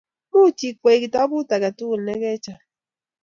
Much ikwey kitabut age tugul negecham